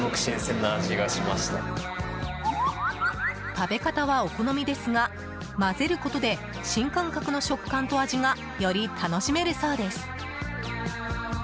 食べ方はお好みですが混ぜることで新感覚の食感と味がより楽しめるそうです。